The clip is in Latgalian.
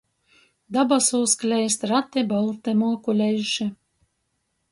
Dabasūs kleist rati bolti muokuleiši.